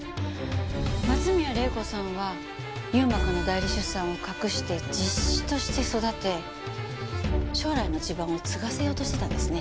松宮玲子さんは優馬くんの代理出産を隠して実子として育て将来の地盤を継がせようとしてたんですね。